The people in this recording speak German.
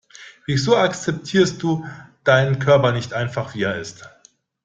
Wieso akzeptierst du deinen Körper nicht einfach, wie er ist?